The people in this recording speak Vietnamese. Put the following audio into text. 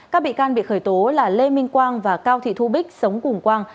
các bị can bị khởi tố là lê minh quang và cao thị thu bích sống cùng quang